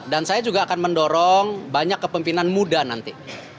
dan saya juga akan mendorong banyak kepemimpinan muda nanti